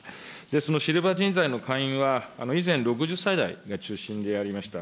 そのシルバー人材の会員は以前、６０歳代が中心でありました。